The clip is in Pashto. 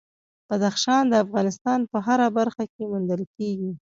بدخشان د افغانستان په هره برخه کې موندل کېږي.